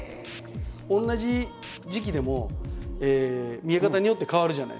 同じ時期でも見え方によって変わるじゃないですか。